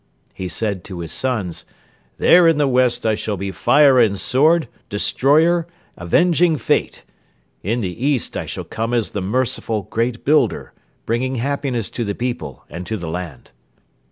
He said to his sons: 'There in the west I shall be fire and sword, destroyer, avenging Fate; in the east I shall come as the merciful, great builder, bringing happiness to the people and to the land.